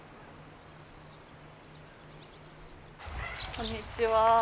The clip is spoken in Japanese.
こんにちは。